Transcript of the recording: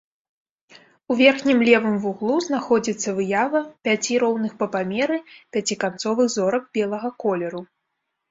У верхнім левым вуглу знаходзіцца выява пяці роўных па памеры пяціканцовых зорак белага колеру.